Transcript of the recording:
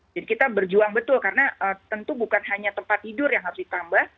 jadi kita berjuang betul karena tentu bukan hanya tempat tidur yang harus ditambah